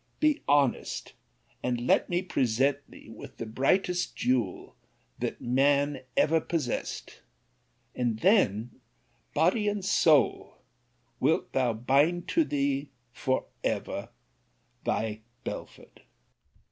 be honest: and let me present thee with the brightest jewel that man ever possessed; and then, body and soul, wilt thou bind to thee for ever thy BELFORD.